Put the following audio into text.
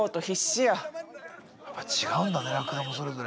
やっぱ違うんだねラクダもそれぞれ。